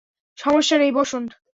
সমস্যা নেই, বসুন।